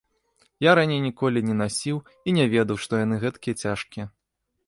Я раней ніколі не насіў і не ведаў, што яны гэткія цяжкія.